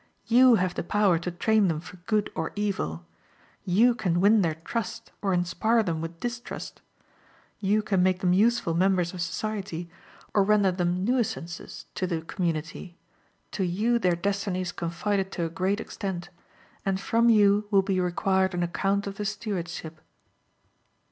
You have the power to train them for good or evil; you can win their trust, or inspire them with distrust; you can make them useful members of society, or render them nuisances to the community; to you their destiny is confided to a great extent, and from you will be required an account of the stewardship.